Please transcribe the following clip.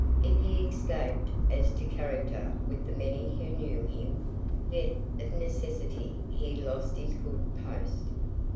If he escaped as to character with the many who knew him, yet of necessity he lost his good post.